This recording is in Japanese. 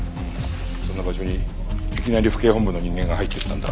そんな場所にいきなり府警本部の人間が入っていったんだ。